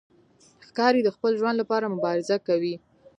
ښکاري د خپل ژوند لپاره مبارزه کوي.